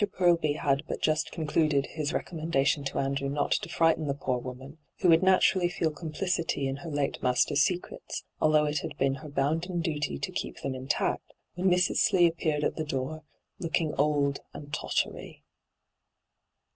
Purlby had but just concluded his recom mendation to Andrew not to frighten the poor woman, who would naturally feel complicity in her late master's secrets, although it had been her bounden duty to keep them intact, when Mrs. Slee appeared at the door, looking old and tottery.